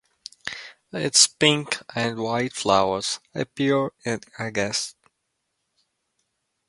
Its pink and white flowers appear in August.